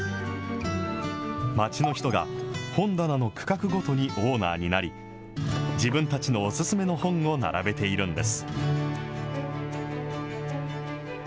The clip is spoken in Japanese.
街の人が本棚の区画ごとにオーナーになり、自分たちのお薦めの本を並べているんです。